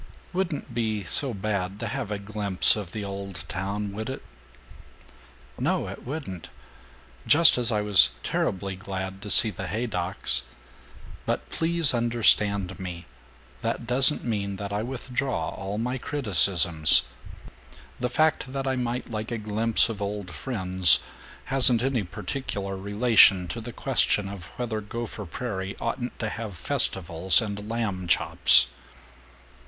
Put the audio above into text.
"Wouldn't be so bad to have a glimpse of the old town, would it!" "No, it wouldn't. Just as I was terribly glad to see the Haydocks. But please understand me! That doesn't mean that I withdraw all my criticisms. The fact that I might like a glimpse of old friends hasn't any particular relation to the question of whether Gopher Prairie oughtn't to have festivals and lamb chops."